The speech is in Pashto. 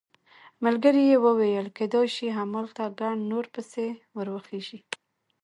ملګري یې وویل کېدای شي همالته ګڼ نور پسې ور وخېژي.